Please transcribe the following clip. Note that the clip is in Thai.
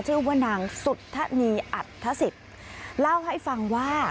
ชื่อว่านางสุธนีอัธศิษย์เล่าให้ฟังว่า